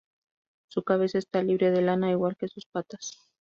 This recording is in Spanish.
Su cabeza está libre de lana, igual que sus patas.